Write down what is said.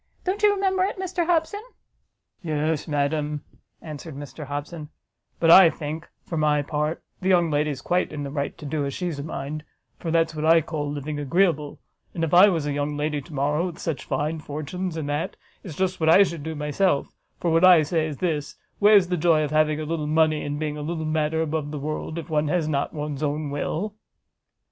Don't you remember it, Mr Hobson?" "Yes, madam," answered Mr Hobson, "but I think, for my part, the young lady's quite in the right to do as she's a mind; for that's what I call living agreeable: and if I was a young lady to morrow, with such fine fortunes, and that, it's just what I should do myself: for what I say is this: where's the joy of having a little money, and being a little matter above the world, if one has not one's own will?"